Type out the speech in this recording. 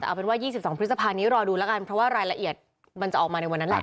เอาเป็นว่า๒๒พฤษภานี้รอดูแล้วกันเพราะว่ารายละเอียดมันจะออกมาในวันนั้นแหละ